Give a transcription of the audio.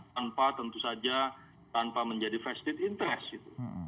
tanpa tentu saja tanpa menjadi vested interest gitu